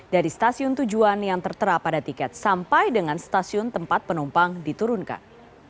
dari stasiun tujuan yang tertera pada tiket sampai dengan stasiun tempat penumpang diturunkan